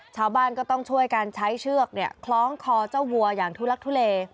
ชาวบ้านก็ต้องช่วยกันใช้เชือกคล้องคอเจ้าวัวอย่างทุลักทุเล